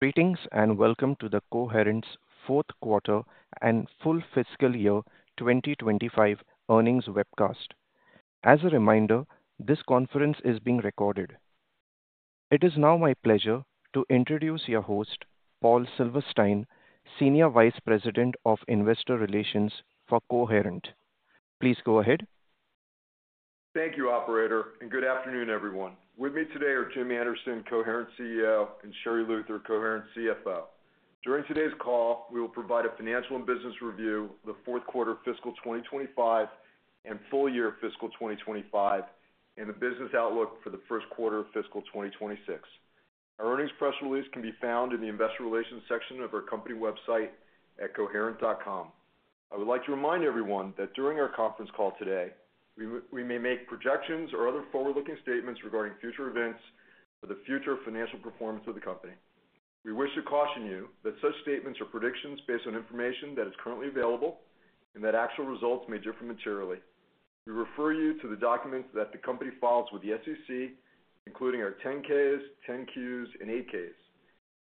Greetings and welcome to Coherent's fourth quarter and full fiscal year 2025 earnings webcast. As a reminder, this conference is being recorded. It is now my pleasure to introduce your host, Paul Silverstein, Senior Vice President of Investor Relations for Coherent. Please go ahead. Thank you, operator, and good afternoon, everyone. With me today are Jim Anderson, Coherent CEO, and Sherri Luther, Coherent's CFO. During today's call, we will provide a financial and business review of the fourth quarter fiscal 2025 and full year fiscal 2025, and a business outlook for the first quarter of fiscal 2026. Our earnings press release can be found in the Investor Relations section of our company website at coherent.com. I would like to remind everyone that during our conference call today, we may make projections or other forward-looking statements regarding future events or the future financial performance of the company. We wish to caution you that such statements are predictions based on information that is currently available and that actual results may differ materially. We refer you to the documents that the company files with the SEC, including our 10-Ks, 10-Qs, and 8-Ks.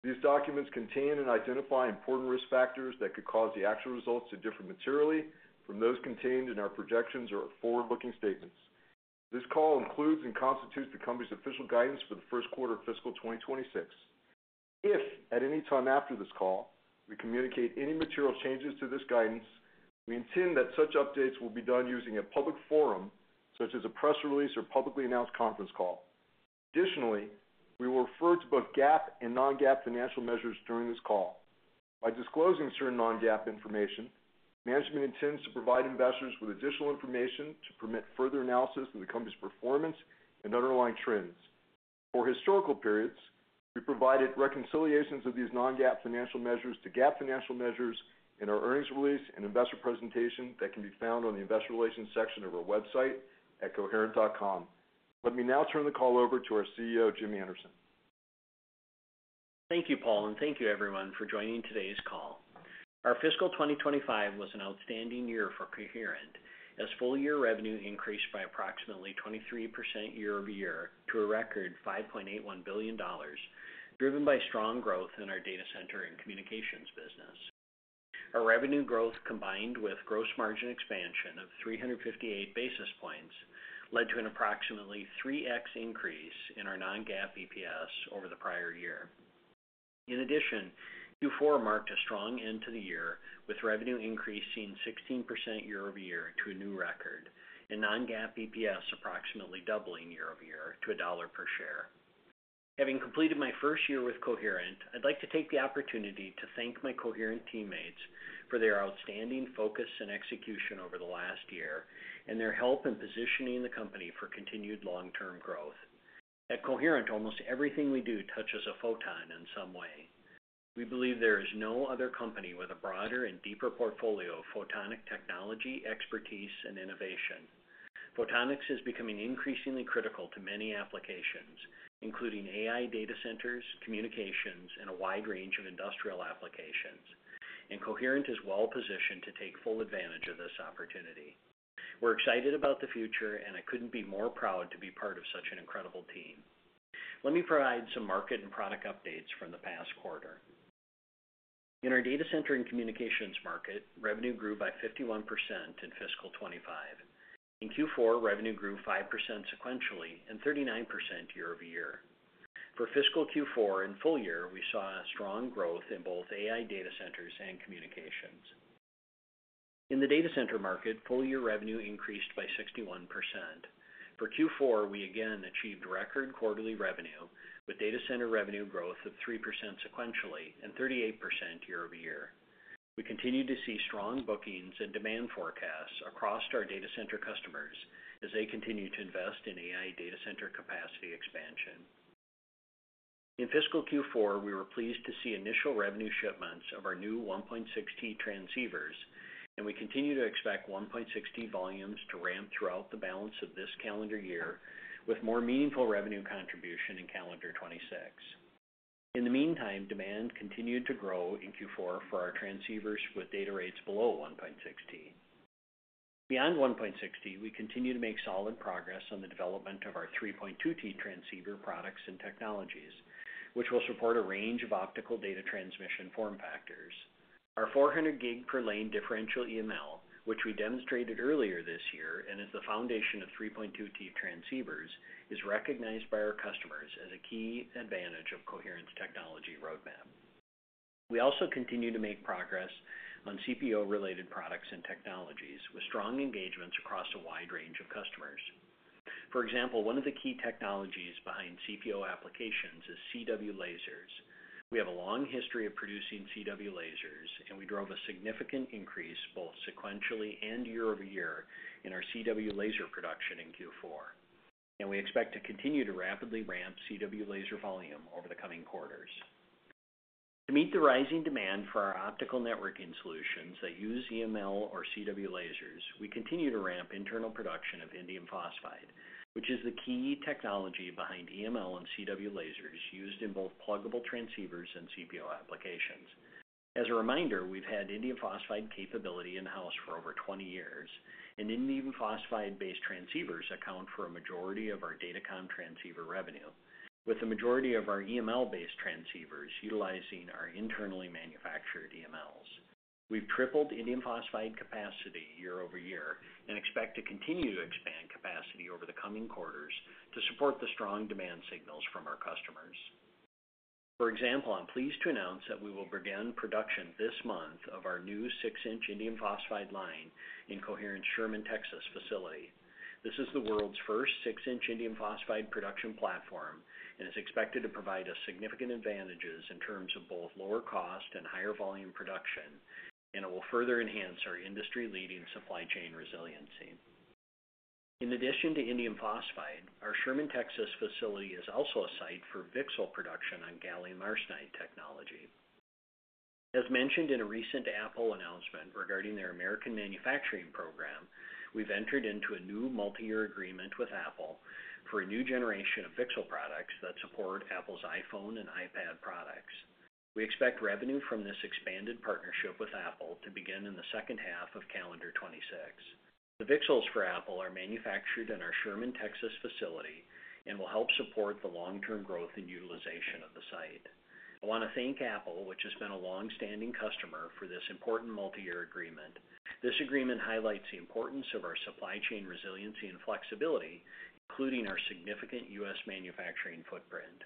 These documents contain and identify important risk factors that could cause the actual results to differ materially from those contained in our projections or forward-looking statements. This call includes and constitutes the company's official guidance for the first quarter of fiscal 2026. If, at any time after this call, we communicate any material changes to this guidance, we intend that such updates will be done using a public forum, such as a press release or publicly announced conference call. Additionally, we will refer to both GAAP and non-GAAP financial measures during this call. By disclosing certain non-GAAP information, management intends to provide investors with additional information to permit further analysis of the company's performance and underlying trends. For historical periods, we provided reconciliations of these non-GAAP financial measures to GAAP financial measures in our earnings release and investor presentation that can be found on the Investor Relations section of our website at coherent.com. Let me now turn the call over to our CEO, Jim Anderson. Thank you, Paul, and thank you, everyone, for joining today's call. Our fiscal 2025 was an outstanding year for Coherent, as full-year revenue increased by approximately 23% year-over-year to a record $5.81 billion, driven by strong growth in our data center and communications business. Our revenue growth, combined with gross margin expansion of 358 basis points, led to an approximately 3x increase in our non-GAAP EPS over the prior year. In addition, Q4 marked a strong end to the year, with revenue increase seeing 16% year-over-year to a new record, and non-GAAP EPS approximately doubling year-over-year to $1 per share. Having completed my first year with Coherent, I'd like to take the opportunity to thank my Coherent teammates for their outstanding focus and execution over the last year and their help in positioning the company for continued long-term growth. At Coherent, almost everything we do touches a photon in some way. We believe there is no other company with a broader and deeper portfolio of photonic technology, expertise, and innovation. Photonics is becoming increasingly critical to many applications, including AI data centers, communications, and a wide range of industrial applications. Coherent is well-positioned to take full advantage of this opportunity. We're excited about the future, and I couldn't be more proud to be part of such an incredible team. Let me provide some market and product updates from the past quarter. In our data center and communications market, revenue grew by 51% in fiscal 2025. In Q4, revenue grew 5% sequentially and 39% year-over-year. For fiscal Q4 and full year, we saw strong growth in both AI data centers and communications. In the data center market, full-year revenue increased by 61%. For Q4, we again achieved record quarterly revenue with data center revenue growth of 3% sequentially and 38% year-over-year. We continue to see strong bookings and demand forecasts across our data center customers as they continue to invest in AI data center capacity expansion. In fiscal Q4, we were pleased to see initial revenue shipments of our new 1.6T transceivers, and we continue to expect 1.6T volumes to ramp throughout the balance of this calendar year with more meaningful revenue contribution in calendar 2026. In the meantime, demand continued to grow in Q4 for our transceivers with data rates below 1.6T. Beyond 1.6T, we continue to make solid progress on the development of our 3.2T transceiver products and technologies, which will support a range of optical data transmission form factors. Our 400 gig per lane differential EML, which we demonstrated earlier this year and is the foundation of 3.2T transceivers, is recognized by our customers as a key advantage of Coherent's technology roadmap. We also continue to make progress on CPO-related products and technologies with strong engagements across a wide range of customers. For example, one of the key technologies behind CPO applications is CW lasers. We have a long history of producing CW lasers, and we drove a significant increase both sequentially and year-over-year in our CW laser production in Q4. We expect to continue to rapidly ramp CW laser volume over the coming quarters. To meet the rising demand for our optical networking solutions that use EML or CW lasers, we continue to ramp internal production of indium phosphide, which is the key technology behind EML and CW lasers used in both pluggable transceivers and CPO applications. As a reminder, we've had indium phosphide capability in-house for over 20 years, and indium phosphide-based transceivers account for a majority of our datacom transceiver revenue, with the majority of our EML-based transceivers utilizing our internally manufactured EMLs. We've tripled indium phosphide capacity year-over-year and expect to continue to expand capacity over the coming quarters to support the strong demand signals from our customers. For example, I'm pleased to announce that we will begin production this month of our new 6-inch indium phosphide line in Coherent's Sherman, Texas facility. This is the world's first 6-inch indium phosphide production platform and is expected to provide us significant advantages in terms of both lower cost and higher volume production, and it will further enhance our industry-leading supply chain resiliency. In addition to indium phosphide, our Sherman, Texas facility is also a site for VCSEL production on gallium arsenide technology. As mentioned in a recent Apple announcement regarding their American manufacturing program, we've entered into a new multi-year agreement with Apple for a new generation of VCSEL products that support Apple's iPhone and iPad products. We expect revenue from this expanded partnership with Apple to begin in the second half of calendar 2026. The VCSELs for Apple are manufactured in our Sherman, Texas facility and will help support the long-term growth and utilization of the site. I want to thank Apple, which has been a longstanding customer for this important multi-year agreement. This agreement highlights the importance of our supply chain resiliency and flexibility, including our significant U.S. manufacturing footprint.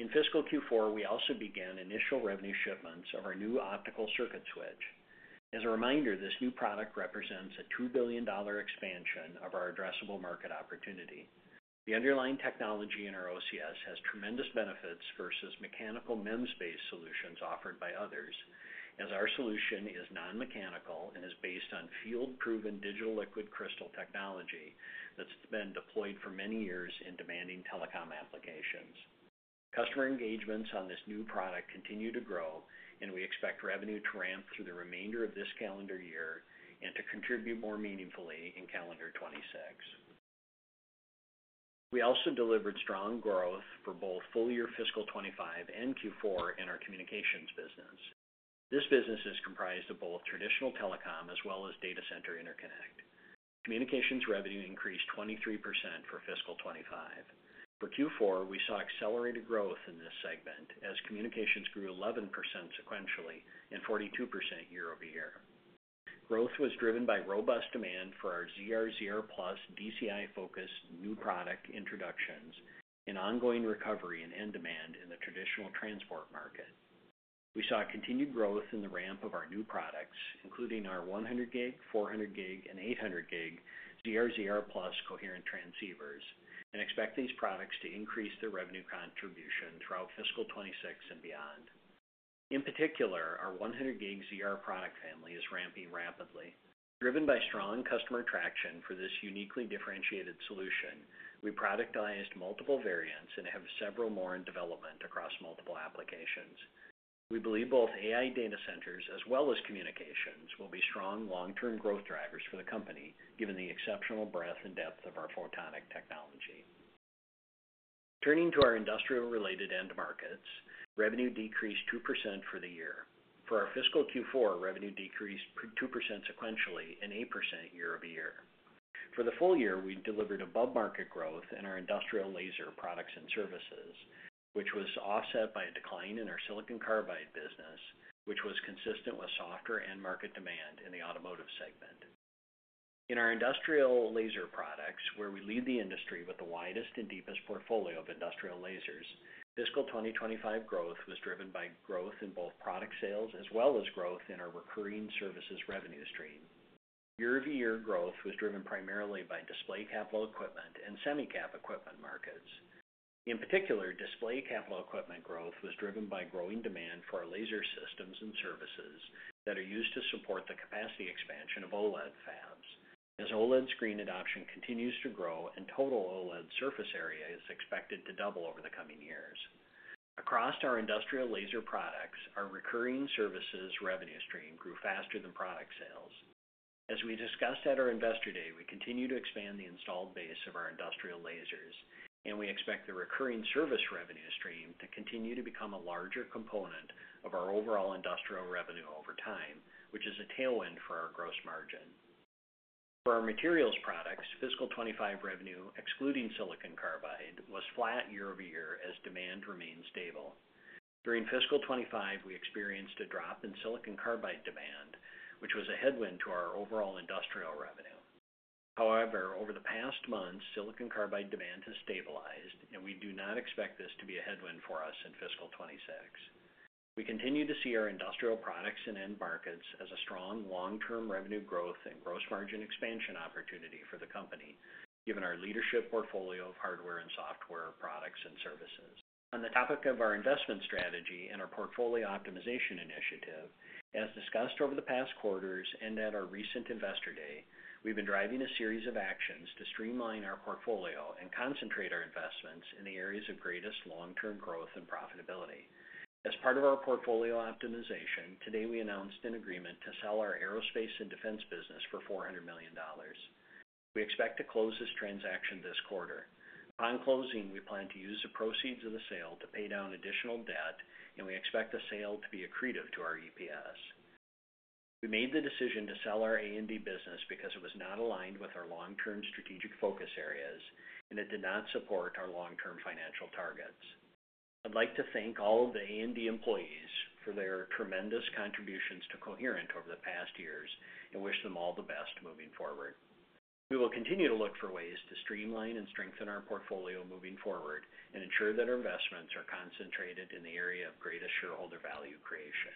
In fiscal Q4, we also began initial revenue shipments of our new optical circuit switch. As a reminder, this new product represents a $2 billion expansion of our addressable market opportunity. The underlying technology in our OCS has tremendous benefits versus mechanical MEMS-based solutions offered by others, as our solution is non-mechanical and is based on field-proven digital liquid crystal technology that's been deployed for many years in demanding telecom applications. Customer engagements on this new product continue to grow, and we expect revenue to ramp through the remainder of this calendar year and to contribute more meaningfully in calendar 2026. We also delivered strong growth for both full-year fiscal 2025 and Q4 in our communications business. This business is comprised of both traditional telecom as well as data center interconnect. Communications revenue increased 23% for fiscal 2025. For Q4, we saw accelerated growth in this segment, as communications grew 11% sequentially and 42% year-over-year. Growth was driven by robust demand for our ZR/ZR+ DCI-focused new product introductions and ongoing recovery in end demand in the traditional transport market. We saw continued growth in the ramp of our new products, including our 100 gig, 400 gig, and 800 gig ZR/ZR+ Coherent transceivers, and expect these products to increase their revenue contribution throughout fiscal 2026 and beyond. In particular, our 100 gig ZR product family is ramping rapidly. Driven by strong customer traction for this uniquely differentiated solution, we productized multiple variants and have several more in development across multiple applications. We believe both AI data centers as well as communications will be strong long-term growth drivers for the company, given the exceptional breadth and depth of our photonic technology. Turning to our industrial-related end markets, revenue decreased 2% for the year. For our fiscal Q4, revenue decreased 2% sequentially and 8% year-over-year. For the full year, we delivered above market growth in our industrial laser products and services, which was offset by a decline in our silicon carbide business, which was consistent with softer end market demand in the automotive segment. In our industrial laser products, where we lead the industry with the widest and deepest portfolio of industrial lasers, fiscal 2025 growth was driven by growth in both product sales as well as growth in our recurring services revenue stream. Year-over-year growth was driven primarily by display capital equipment and semi-cap equipment markets. In particular, display capital equipment growth was driven by growing demand for our laser systems and services that are used to support the capacity expansion of OLED fabs, as OLED screen adoption continues to grow and total OLED surface area is expected to double over the coming years. Across our industrial laser products, our recurring services revenue stream grew faster than product sales. As we discussed at our Investor Day, we continue to expand the installed base of our industrial lasers, and we expect the recurring service revenue stream to continue to become a larger component of our overall industrial revenue over time, which is a tailwind for our gross margin. For our materials products, fiscal 2025 revenue, excluding silicon carbide, was flat year-over-year as demand remained stable. During fiscal 2025, we experienced a drop in silicon carbide demand, which was a headwind to our overall industrial revenue. However, over the past months, silicon carbide demand has stabilized, and we do not expect this to be a headwind for us in fiscal 2026. We continue to see our industrial products and end markets as a strong long-term revenue growth and gross margin expansion opportunity for the company, given our leadership portfolio of hardware and software products and services. On the topic of our investment strategy and our portfolio optimization initiative, as discussed over the past quarters and at our recent Investor Day, we've been driving a series of actions to streamline our portfolio and concentrate our investments in the areas of greatest long-term growth and profitability. As part of our portfolio optimization, today we announced an agreement to sell our aerospace and defense business for $400 million. We expect to close this transaction this quarter. Upon closing, we plan to use the proceeds of the sale to pay down additional debt, and we expect the sale to be accretive to our EPS. We made the decision to sell our A&D business because it was not aligned with our long-term strategic focus areas, and it did not support our long-term financial targets. I'd like to thank all of the A&D employees for their tremendous contributions to Coherent over the past years and wish them all the best moving forward. We will continue to look for ways to streamline and strengthen our portfolio moving forward and ensure that our investments are concentrated in the area of greatest shareholder value creation.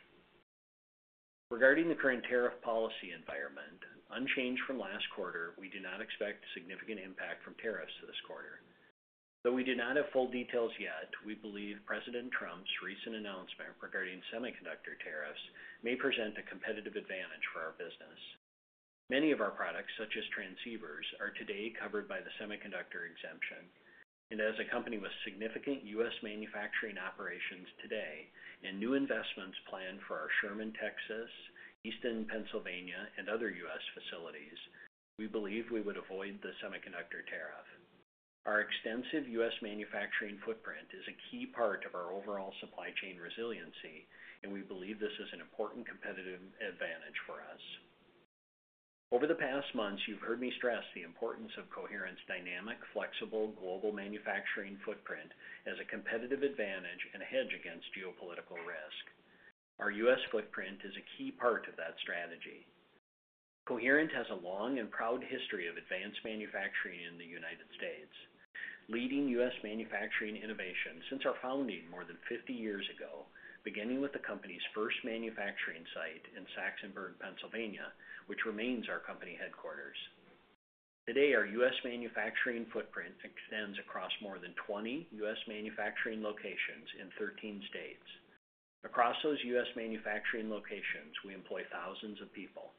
Regarding the current tariff policy environment, unchanged from last quarter, we do not expect significant impact from tariffs this quarter. Though we do not have full details yet, we believe President Trump's recent announcement regarding semiconductor tariffs may present a competitive advantage for our business. Many of our products, such as transceivers, are today covered by the semiconductor exemption. As a company with significant U.S. manufacturing operations today and new investments planned for our Sherman, Texas, Easton, Pennsylvania, and other U.S. facilities, we believe we would avoid the semiconductor tariff. Our extensive U.S. manufacturing footprint is a key part of our overall supply chain resiliency, and we believe this is an important competitive advantage for us. Over the past months, you've heard me stress the importance of Coherent's dynamic, flexible, global manufacturing footprint as a competitive advantage and a hedge against geopolitical risk. Our U.S. footprint is a key part of that strategy. Coherent has a long and proud history of advanced manufacturing in the United States, leading U.S. manufacturing innovation since our founding more than 50 years ago, beginning with the company's first manufacturing site in Saxonburg, Pennsylvania, which remains our company headquarters. Today, our U.S. manufacturing footprint extends across more than 20 U.S. manufacturing locations in 13 states. Across those U.S. manufacturing locations, we employ thousands of people.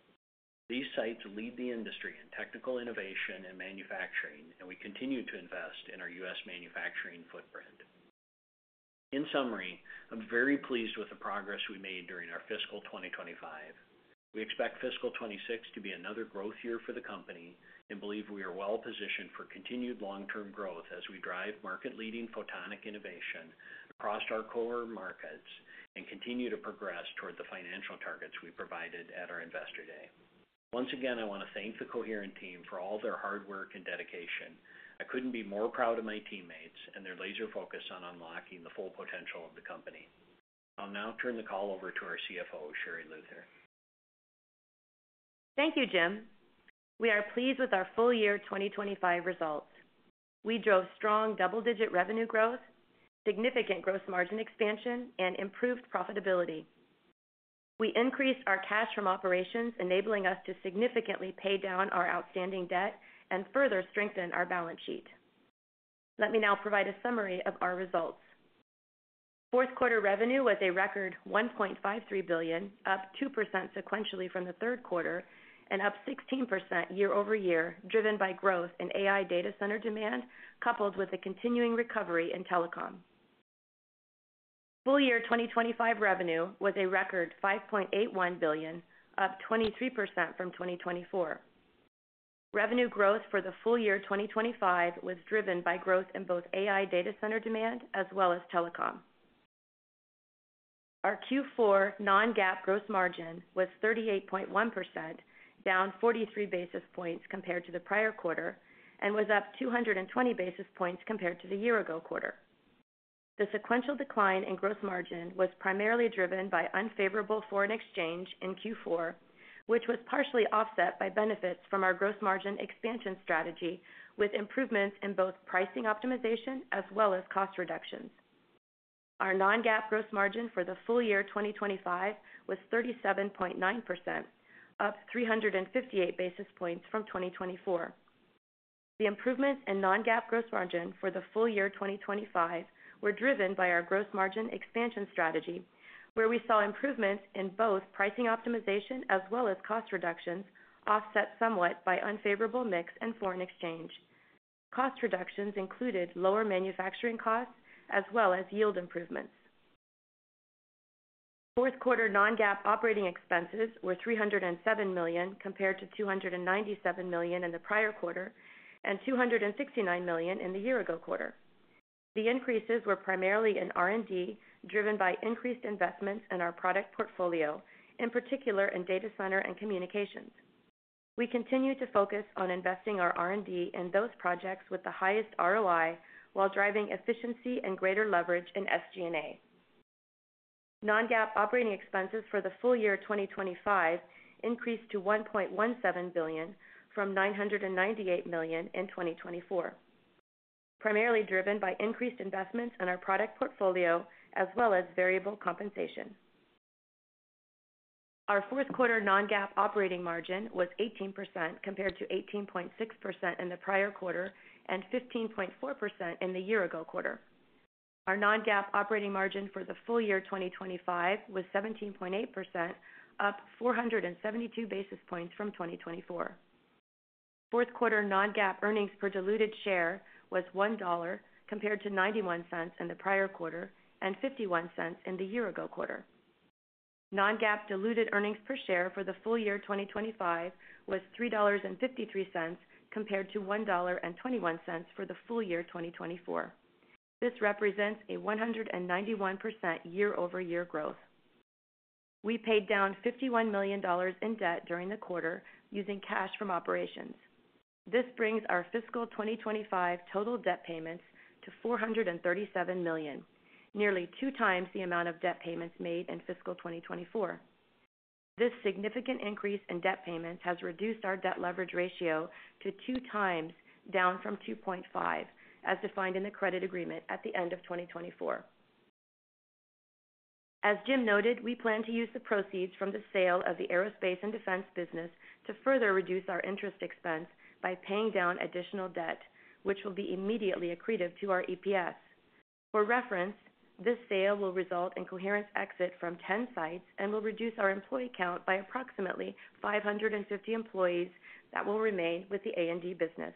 These sites lead the industry in technical innovation and manufacturing, and we continue to invest in our U.S. manufacturing footprint. In summary, I'm very pleased with the progress we made during our fiscal 2025. We expect fiscal 2026 to be another growth year for the company and believe we are well-positioned for continued long-term growth as we drive market-leading photonic innovation across our core markets and continue to progress toward the financial targets we provided at our Investor Day. Once again, I want to thank the Coherent team for all their hard work and dedication. I couldn't be more proud of my teammates and their laser focus on unlocking the full potential of the company. I'll now turn the call over to our CFO, Sherri Luther. Thank you, Jim. We are pleased with our full-year 2025 results. We drove strong double-digit revenue growth, significant gross margin expansion, and improved profitability. We increased our cash from operations, enabling us to significantly pay down our outstanding debt and further strengthen our balance sheet. Let me now provide a summary of our results. Fourth quarter revenue was a record $1.53 billion, up 2% sequentially from the third quarter and up 16% year-over-year, driven by growth in AI data center demand coupled with a continuing recovery in telecom. Full-year 2025 revenue was a record $5.81 billion, up 23% from 2024. Revenue growth for the full-year 2025 was driven by growth in both AI data center demand as well as telecom. Our Q4 non-GAAP gross margin was 38.1%, down 43 basis points compared to the prior quarter, and was up 220 basis points compared to the year-ago quarter. The sequential decline in gross margin was primarily driven by unfavorable foreign exchange in Q4, which was partially offset by benefits from our gross margin expansion strategy, with improvements in both pricing optimization as well as cost reductions. Our non-GAAP gross margin for the full-year 2025 was 37.9%, up 358 basis points from 2024. The improvements in non-GAAP gross margin for the full-year 2025 were driven by our gross margin expansion strategy, where we saw improvements in both pricing optimization as well as cost reductions, offset somewhat by unfavorable mix and foreign exchange. Cost reductions included lower manufacturing costs as well as yield improvements. Fourth quarter non-GAAP operating expenses were $307 million compared to $297 million in the prior quarter and $269 million in the year-ago quarter. The increases were primarily in R&D, driven by increased investments in our product portfolio, in particular in data center and communications. We continue to focus on investing our R&D in those projects with the highest ROI while driving efficiency and greater leverage in SG&A. Non-GAAP operating expenses for the full-year 2025 increased to $1.17 billion from $998 million in 2024, primarily driven by increased investments in our product portfolio as well as variable compensation. Our fourth quarter non-GAAP operating margin was 18% compared to 18.6% in the prior quarter and 15.4% in the year-ago quarter. Our non-GAAP operating margin for the full-year 2025 was 17.8%, up 472 basis points from 2024. Fourth quarter non-GAAP earnings per diluted share was $1.00 compared to $0.91 in the prior quarter and $0.51 in the year-ago quarter. Non-GAAP diluted earnings per share for the full-year 2025 was $3.53 compared to $1.21 for the full-year 2024. This represents a 191% year-over-year growth. We paid down $51 million in debt during the quarter using cash from operations. This brings our fiscal 2025 total debt payments to $437 million, nearly two times the amount of debt payments made in fiscal 2024. This significant increase in debt payments has reduced our debt leverage ratio to 2x, down from 2.5x, as defined in the credit agreement at the end of 2024. As Jim noted, we plan to use the proceeds from the sale of the aerospace and defense business to further reduce our interest expense by paying down additional debt, which will be immediately accretive to our EPS. For reference, this sale will result in Coherent's exit from 10 sites and will reduce our employee count by approximately 550 employees that will remain with the A&D business.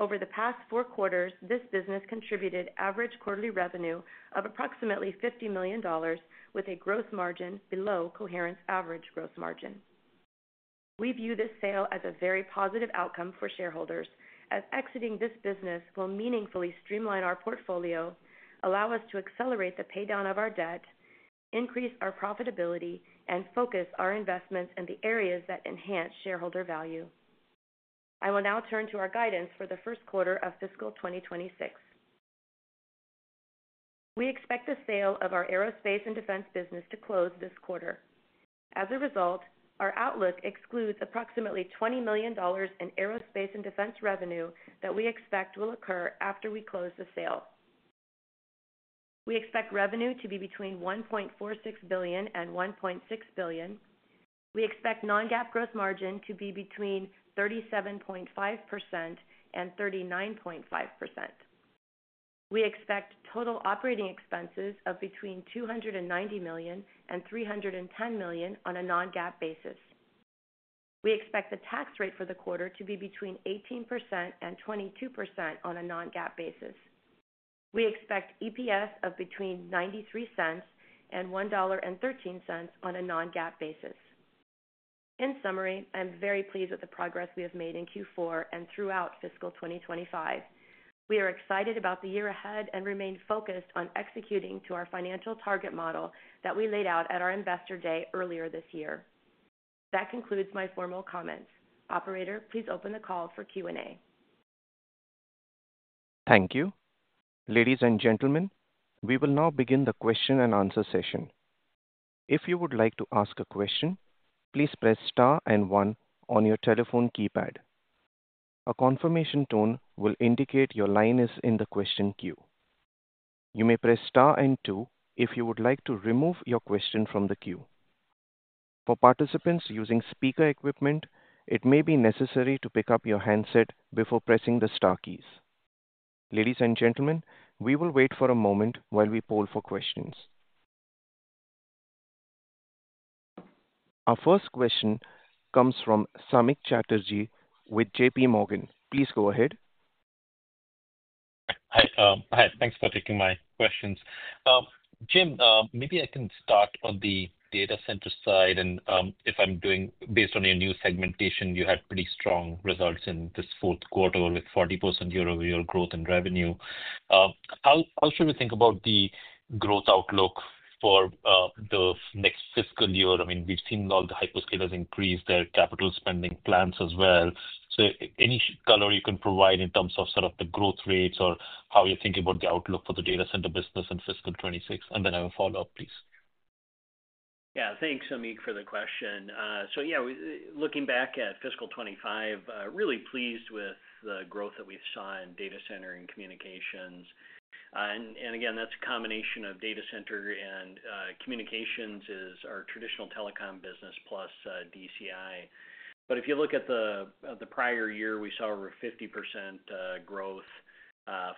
Over the past four quarters, this business contributed average quarterly revenue of approximately $50 million, with a gross margin below Coherent's average gross margin. We view this sale as a very positive outcome for shareholders, as exiting this business will meaningfully streamline our portfolio, allow us to accelerate the paydown of our debt, increase our profitability, and focus our investments in the areas that enhance shareholder value. I will now turn to our guidance for the first quarter of fiscal 2026. We expect the sale of our aerospace and defense business to close this quarter. As a result, our outlook excludes approximately $20 million in aerospace and defense revenue that we expect will occur after we close the sale. We expect revenue to be between $1.46 billion and $1.6 billion. We expect non-GAAP gross margin to be between 37.5% and 39.5%. We expect total operating expenses of between $290 million and $310 million on a non-GAAP basis. We expect the tax rate for the quarter to be between 18% and 22% on a non-GAAP basis. We expect EPS of between $0.93 and $1.13 on a non-GAAP basis. In summary, I'm very pleased with the progress we have made in Q4 and throughout fiscal 2025. We are excited about the year ahead and remain focused on executing to our financial target model that we laid out at our Investor Day earlier this year. That concludes my formal comments. Operator, please open the call for Q&A. Thank you. Ladies and gentlemen, we will now begin the question-and-answer session. If you would like to ask a question, please press Star and one on your telephone keypad. A confirmation tone will indicate your line is in the question queue. You may press Star and two if you would like to remove your question from the queue. For participants using speaker equipment, it may be necessary to pick up your handset before pressing the Star keys. Ladies and gentlemen, we will wait for a moment while we poll for questions. Our first question comes from Samik Chatterjee with JPMorgan. Please go ahead. Hi. Thanks for taking my questions. Jim, maybe I can start on the data center side, and if I'm doing based on your new segmentation, you had pretty strong results in this fourth quarter with 40% year-over-year growth in revenue. How should we think about the growth outlook for the next fiscal year? I mean, we've seen all the hyperscalers increase their capital spending plans as well. Any color you can provide in terms of sort of the growth rates or how you think about the outlook for the data center business in fiscal 2026, and then I will follow up, please. Yeah, thanks, Samik, for the question. Looking back at fiscal 2025, really pleased with the growth that we saw in data center and communications. That's a combination of data center and communications, which is our traditional telecom business plus DCI. If you look at the prior year, we saw over 50% growth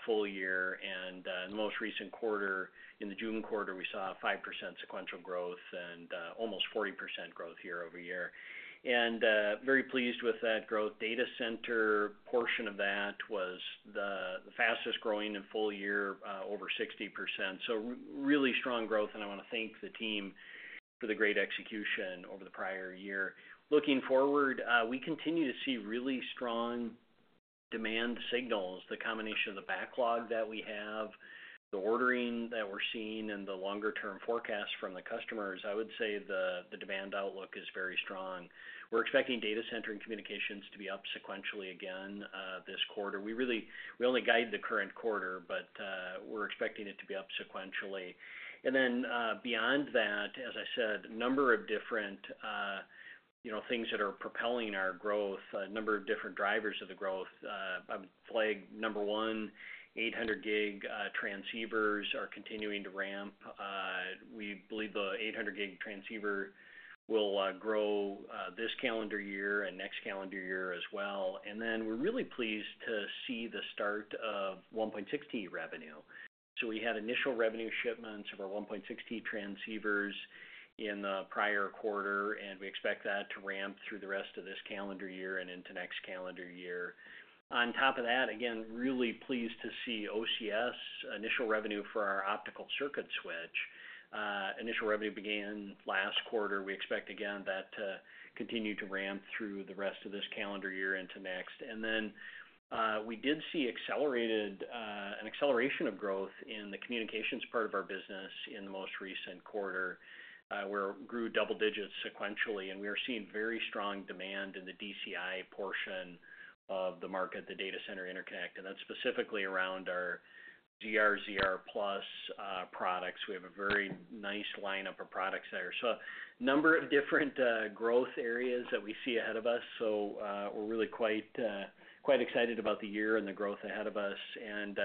full year, and in the most recent quarter, in the June quarter, we saw 5% sequential growth and almost 40% growth year-over-year. Very pleased with that growth. The data center portion of that was the fastest growing in full year, over 60%. Really strong growth, and I want to thank the team for the great execution over the prior year. Looking forward, we continue to see really strong demand signals. The combination of the backlog that we have, the ordering that we're seeing, and the longer-term forecasts from the customers, I would say the demand outlook is very strong. We're expecting data center and communications to be up sequentially again this quarter. We really only guide the current quarter, but we're expecting it to be up sequentially. Beyond that, as I said, a number of different things are propelling our growth, a number of different drivers of the growth. I would flag number one, 800 gig transceivers are continuing to ramp. We believe the 800 gig transceiver will grow this calendar year and next calendar year as well. We're really pleased to see the start of 1.6T revenue. We had initial revenue shipments of our 1.6T transceivers in the prior quarter, and we expect that to ramp through the rest of this calendar year and into next calendar year. On top of that, really pleased to see OCS initial revenue for our optical circuit switch. Initial revenue began last quarter. We expect that to continue to ramp through the rest of this calendar year into next. We did see an acceleration of growth in the communications part of our business in the most recent quarter, where it grew double digits sequentially, and we are seeing very strong demand in the DCI portion of the market, the Data Center Interconnect, and that's specifically around our ZR/ZR+ products. We have a very nice lineup of products there. A number of different growth areas that we see ahead of us. We're really quite excited about the year and the growth ahead of us, and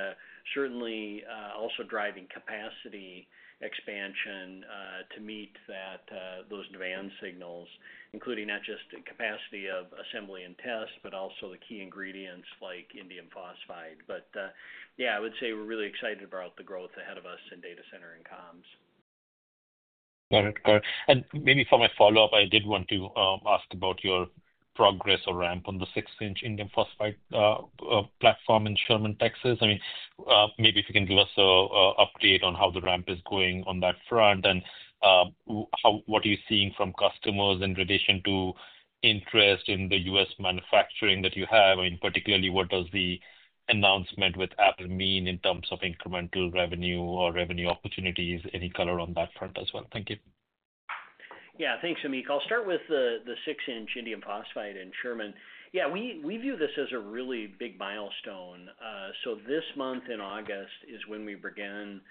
certainly also driving capacity expansion to meet those demand signals, including not just the capacity of assembly and test, but also the key ingredients like indium phosphide. I would say we're really excited about the growth ahead of us in data center and comms. Got it, got it. Maybe for my follow-up, I did want to ask about your progress or ramp on the 6-inch indium phosphide platform in Sherman, Texas. If you can give us an update on how the ramp is going on that front and what you are seeing from customers in relation to interest in the U.S. manufacturing that you have. Particularly, what does the announcement with Apple mean in terms of incremental revenue or revenue opportunities? Any color on that front as well? Thank you. Yeah, thanks, Samik. I'll start with the six-inch indium phosphide in Sherman. We view this as a really big milestone. This month in August is when we began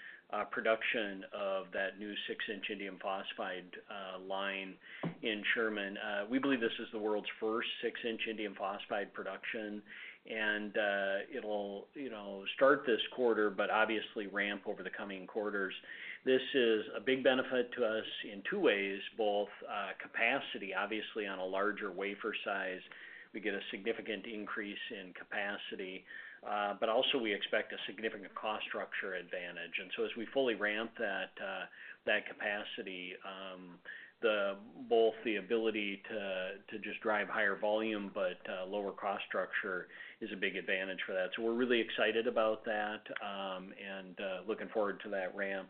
production of that new six-inch indium phosphide line in Sherman. We believe this is the world's first -inch indium phosphide production, and it'll start this quarter, but obviously ramp over the coming quarters. This is a big benefit to us in two ways, both capacity, obviously on a larger wafer size. We get a significant increase in capacity, but also we expect a significant cost structure advantage. As we fully ramp that capacity, both the ability to just drive higher volume, but lower cost structure is a big advantage for that. We're really excited about that and looking forward to that ramp.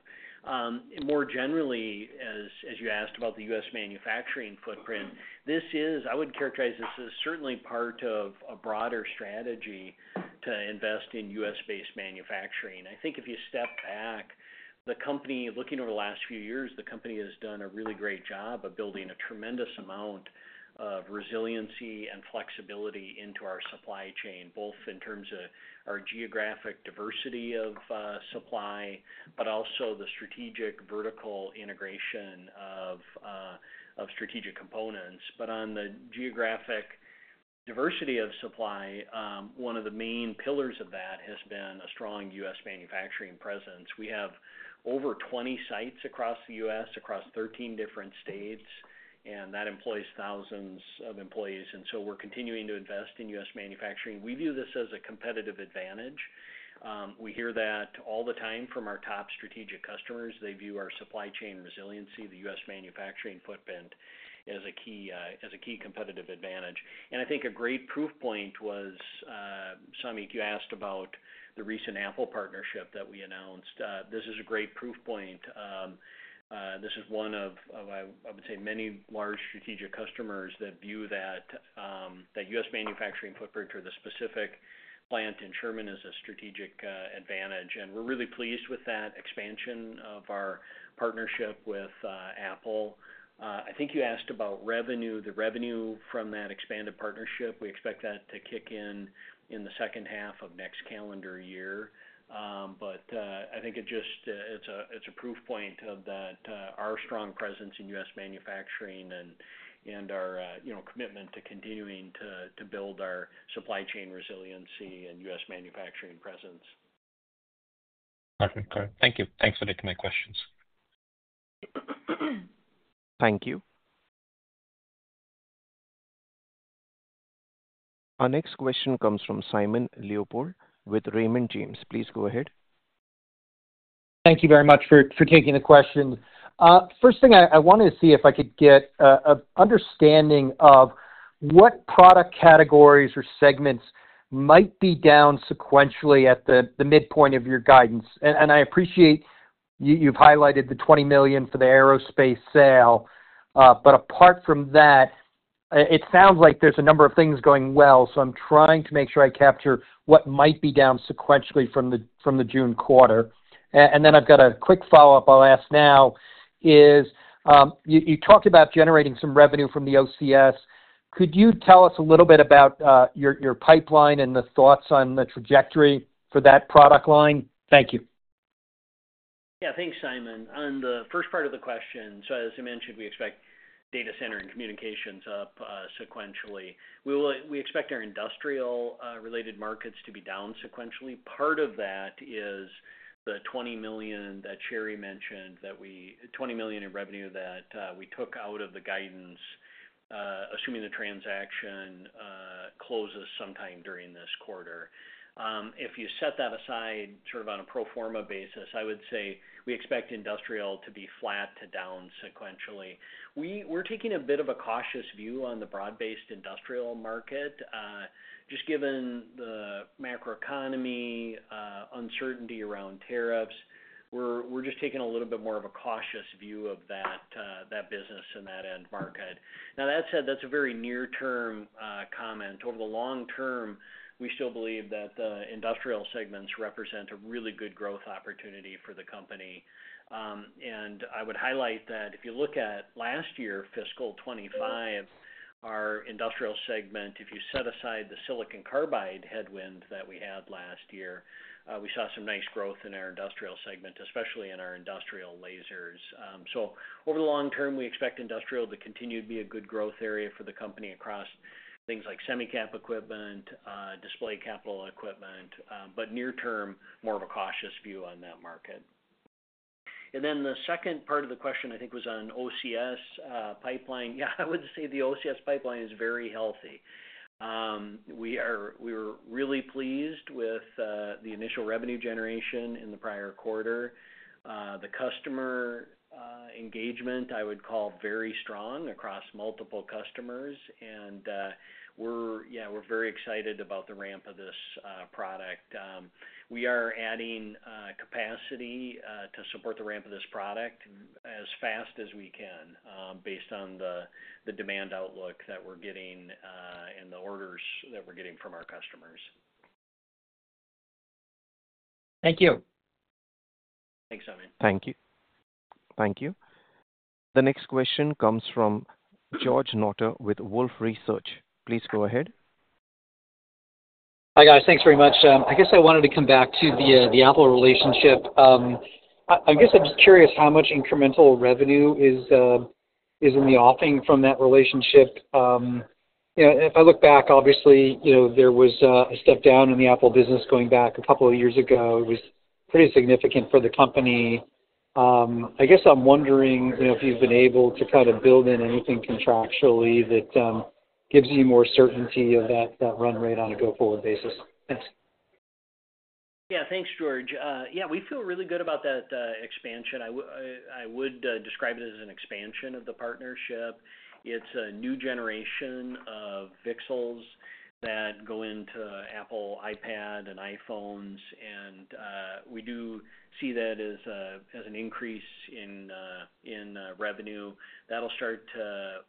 More generally, as you asked about the U.S. manufacturing footprint, I would characterize this as certainly part of a broader strategy to invest in U.S.-based manufacturing. If you step back, the company, looking over the last few years, has done a really great job of building a tremendous amount of resiliency and flexibility into our supply chain, both in terms of our geographic diversity of supply, but also the strategic vertical integration of strategic components. On the geographic diversity of supply, one of the main pillars of that has been a strong U.S. manufacturing presence. We have over 20 sites across the U.S., across 13 different states, and that employs thousands of employees. We're continuing to invest in U.S. manufacturing. We view this as a competitive advantage. We hear that all the time from our top strategic customers. They view our supply chain resiliency, the U.S. manufacturing footprint as a key competitive advantage. A great proof point was, Samik, you asked about the recent Apple partnership that we announced. This is a great proof point. This is one of, I would say, many large strategic customers that view that U.S. manufacturing footprint for the specific plant in Sherman as a strategic advantage. We're really pleased with that expansion of our partnership with Apple. You asked about revenue. The revenue from that expanded partnership, we expect that to kick in in the second half of next calendar year. It is a proof point of our strong presence in U.S. manufacturing and our commitment to continuing to build our supply chain resiliency and U.S. manufacturing presence. Okay, got it. Thank you. Thanks for taking my questions. Thank you. Our next question comes from Simon Leopold with Raymond James. Please go ahead. Thank you very much for taking the question. First thing, I wanted to see if I could get an understanding of what product categories or segments might be down sequentially at the midpoint of your guidance. I appreciate you've highlighted the $20 million for the aerospace sale. Apart from that, it sounds like there's a number of things going well. I'm trying to make sure I capture what might be down sequentially from the June quarter. I've got a quick follow-up I'll ask now. You talked about generating some revenue from the OCS. Could you tell us a little bit about your pipeline and the thoughts on the trajectory for that product line? Thank you. Yeah, thanks, Simon. On the first part of the question, as I mentioned, we expect data center and communications up sequentially. We expect our industrial-related markets to be down sequentially. Part of that is the $20 million that Sherri mentioned, that we took $20 million in revenue out of the guidance, assuming the transaction closes sometime during this quarter. If you set that aside sort of on a pro forma basis, I would say we expect industrial to be flat to down sequentially. We're taking a bit of a cautious view on the broad-based industrial market. Given the macroeconomy uncertainty around tariffs, we're just taking a little bit more of a cautious view of that business and that end market. That said, that's a very near-term comment. Over the long term, we still believe that the industrial segments represent a really good growth opportunity for the company. I would highlight that if you look at last year, fiscal 2025, our industrial segment, if you set aside the silicon carbide headwind that we had last year, we saw some nice growth in our industrial segment, especially in our industrial lasers. Over the long term, we expect industrial to continue to be a good growth area for the company across things like semi-cap equipment, display capital equipment. Near term, more of a cautious view on that market. The second part of the question, I think, was on OCS pipeline. I would say the OCS pipeline is very healthy. We were really pleased with the initial revenue generation in the prior quarter. The customer engagement, I would call, very strong across multiple customers. We're very excited about the ramp of this product. We are adding capacity to support the ramp of this product as fast as we can based on the demand outlook that we're getting and the orders that we're getting from our customers. Thank you. Thanks, Simon. Thank you. Thank you. The next question comes from George Notter with Wolfe Research. Please go ahead. Hi guys, thanks very much. I guess I wanted to come back to the Apple relationship. I'm just curious how much incremental revenue is in the offing from that relationship. If I look back, obviously, there was a step down in the Apple business going back a couple of years ago. It was pretty significant for the company. I'm wondering if you've been able to build in anything contractually that gives you more certainty of that run rate on a go-forward basis. Yeah, thanks, George. Yeah, we feel really good about that expansion. I would describe it as an expansion of the partnership. It's a new generation of VCSELs that go into Apple iPad and iPhones, and we do see that as an increase in revenue. That'll start to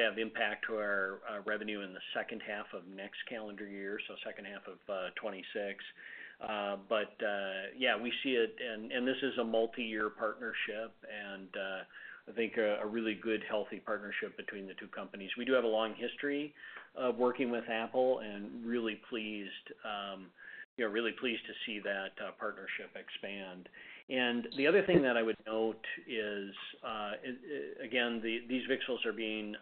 have impact to our revenue in the second half of next calendar year, so second half of 2026. Yeah, we see it, and this is a multi-year partnership, and I think a really good, healthy partnership between the two companies. We do have a long history of working with Apple and really pleased, you know, really pleased to see that partnership expand. The other thing that I would note is, again, these VCSELs are being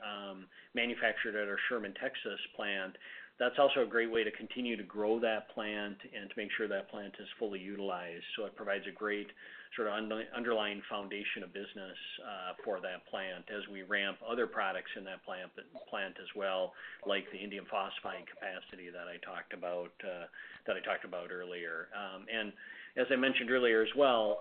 manufactured at our Sherman, Texas plant. That's also a great way to continue to grow that plant and to make sure that plant is fully utilized. It provides a great sort of underlying foundation of business for that plant as we ramp other products in that plant as well, like the indium phosphide capacity that I talked about earlier. As I mentioned earlier as well,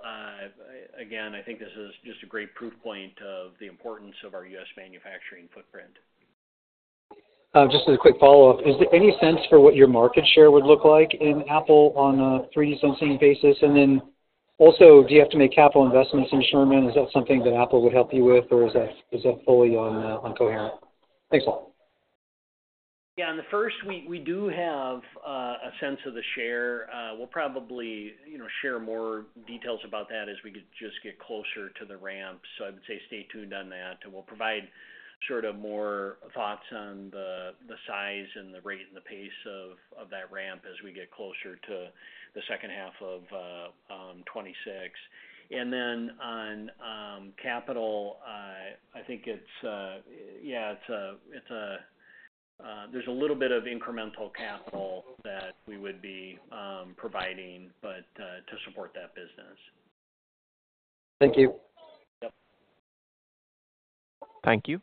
again, I think this is just a great proof point of the importance of our U.S. manufacturing footprint. Just a quick follow-up. Is there any sense for what your market share would look like in Apple on a 3% basis? Also, do you have to make capital investments in Sherman? Is that something that Apple would help you with, or is that fully on Coherent? Thanks a lot. Yeah, on the first, we do have a sense of the share. We'll probably share more details about that as we get closer to the ramp. I would say stay tuned on that. We'll provide more thoughts on the size and the rate and the pace of that ramp as we get closer to the second half of 2026. On capital, I think it's, yeah, there's a little bit of incremental capital that we would be providing to support that business. Thank you. Thank you.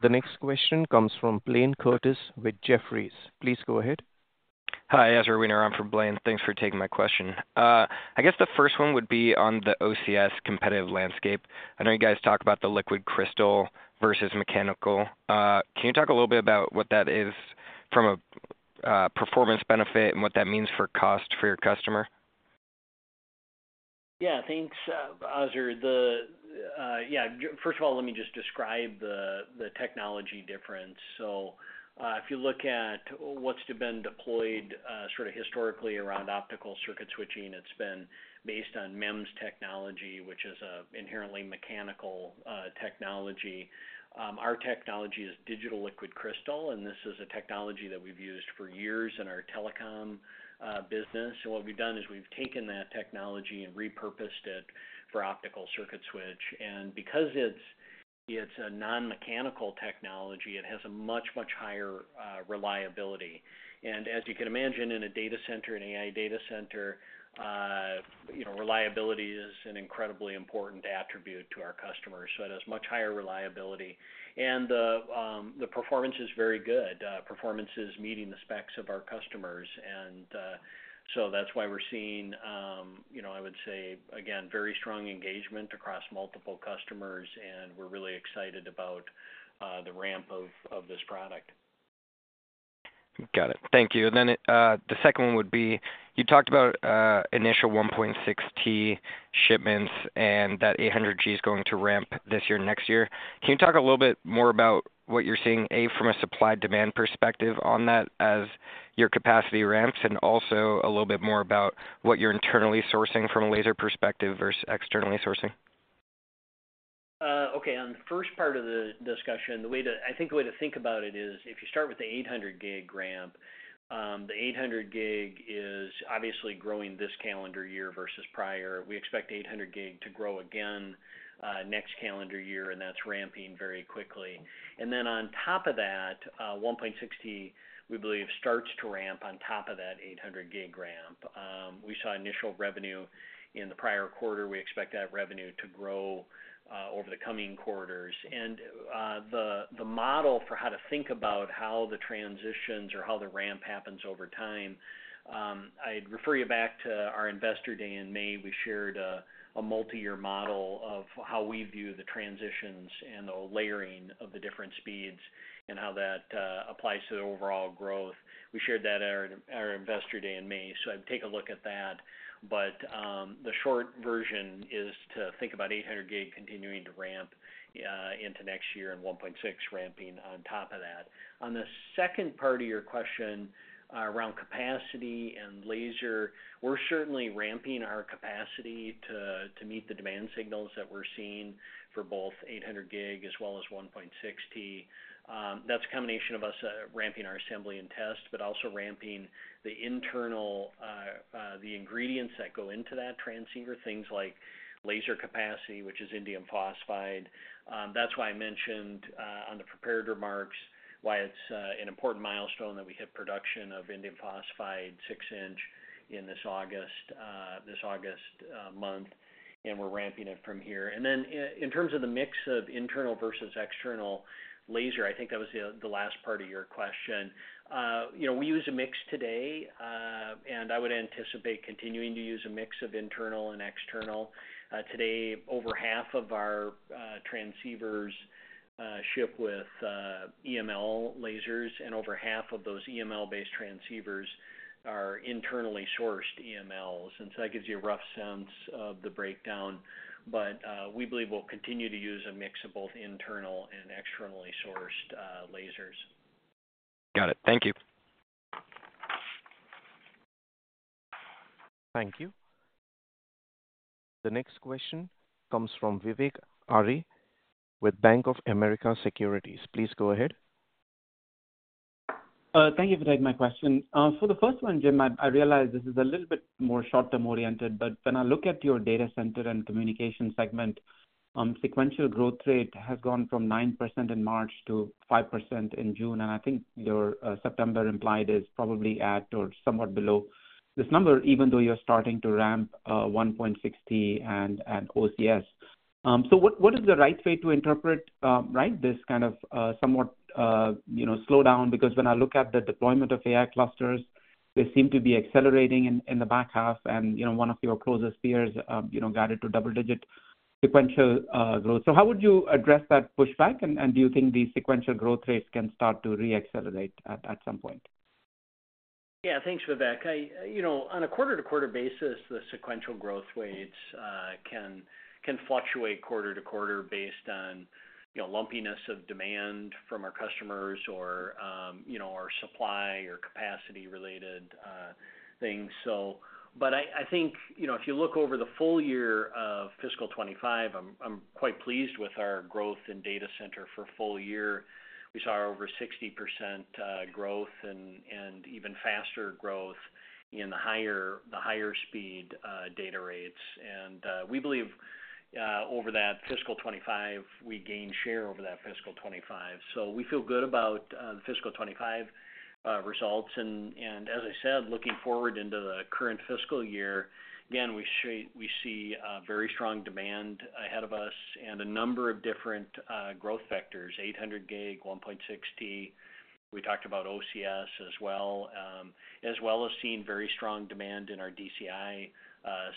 The next question comes from Blayne Curtis with Jefferies. Please go ahead. Hi Ezra Weener on for Blayne. Thanks for taking my question. I guess the first one would be on the OCS competitive landscape. I know you guys talk about the liquid crystal versus mechanical. Can you talk a little bit about what that is from a performance benefit and what that means for cost for your customer? Yeah, thanks, Ezra. First of all, let me just describe the technology difference. If you look at what's been deployed historically around optical circuit switching, it's been based on MEMS technology, which is an inherently mechanical technology. Our technology is digital liquid crystal, and this is a technology that we've used for years in our telecom business. We've taken that technology and repurposed it for optical circuit switch. Because it's a non-mechanical technology, it has a much, much higher reliability. As you can imagine, in a data center, an AI data center, reliability is an incredibly important attribute to our customers. It has much higher reliability, and the performance is very good. Performance is meeting the specs of our customers, which is why we're seeing, I would say, again, very strong engagement across multiple customers, and we're really excited about the ramp of this product. Got it. Thank you. The second one would be, you talked about initial 1.6T shipments, and that 800 gig is going to ramp this year and next year. Can you talk a little bit more about what you're seeing, A, from a supply-demand perspective on that as your capacity ramps, and also a little bit more about what you're internally sourcing from a laser perspective versus externally sourcing? Okay, on the first part of the discussion, the way to, I think the way to think about it is if you start with the 800 gig ramp, the 800 gig is obviously growing this calendar year versus prior. We expect 800 gig to grow again next calendar year, and that's ramping very quickly. Then on top of that, 1.6T, we believe, starts to ramp on top of that 800 gig ramp. We saw initial revenue in the prior quarter. We expect that revenue to grow over the coming quarters. The model for how to think about how the transitions or how the ramp happens over time, I'd refer you back to our Investor Day in May. We shared a multi-year model of how we view the transitions and the layering of the different speeds and how that applies to the overall growth. We shared that at our Investor Day in May. I'd take a look at that. The short version is to think about 800 gig continuing to ramp into next year and 1.6T ramping on top of that. On the second part of your question around capacity and laser, we're certainly ramping our capacity to meet the demand signals that we're seeing for both 800 gig as well as 1.6T. That's a combination of us ramping our assembly and test, but also ramping the internal, the ingredients that go into that transceiver, things like laser capacity, which is indium phosphide. That's why I mentioned on the prepared remarks why it's an important milestone that we hit production of indium phosphide 6-inch in this August month, and we're ramping it from here. In terms of the mix of internal versus external laser, I think that was the last part of your question. We use a mix today, and I would anticipate continuing to use a mix of internal and external. Today, over half of our transceivers ship with EML lasers, and over half of those EML-based transceivers are internally sourced EMLs. That gives you a rough sense of the breakdown. We believe we'll continue to use a mix of both internal and externally sourced lasers. Got it. Thank you. Thank you. The next question comes from Vivek Arya with Bank of America Securities. Please go ahead. Thank you for taking my question. For the first one, Jim, I realize this is a little bit more short-term oriented, but when I look at your data center and communication segment, sequential growth rate has gone from 9% in March to 5% in June. I think your September implied is probably at or somewhat below this number, even though you're starting to ramp 1.6T and OCS. What is the right way to interpret this kind of somewhat slowdown? When I look at the deployment of AI clusters, they seem to be accelerating in the back half. One of your closest peers got it to double-digit sequential growth. How would you address that pushback? Do you think the sequential growth rates can start to re-accelerate at some point? Yeah, thanks, Vivek. On a quarter-to-quarter basis, the sequential growth rates can fluctuate quarter to quarter based on lumpiness of demand from our customers or our supply or capacity-related things. If you look over the full year of fiscal 2025, I'm quite pleased with our growth in data center for the full year. We saw over 60% growth and even faster growth in the higher speed data rates. We believe over that fiscal 2025, we gained share over that fiscal 2025. We feel good about the fiscal 2025 results. As I said, looking forward into the current fiscal year, again, we see very strong demand ahead of us and a number of different growth vectors: 800G gig 1.6T. We talked about OCS as well, as well as seeing very strong demand in our DCI